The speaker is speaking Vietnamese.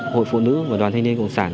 hội phụ nữ và đoàn thanh niên cộng sản